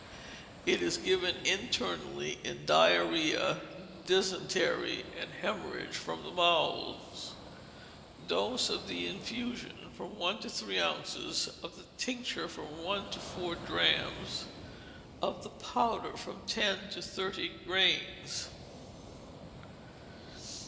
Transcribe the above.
It is given internally in diarrhoea, dysentery, and hemorrhage from the bowels. Dose, of the infusion, from one to three ounces; of the tincture, from one to four drachms; of the powder, from ten to thirty grains.